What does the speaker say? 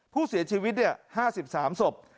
ผู้เสียชีวิต๕๓ศพ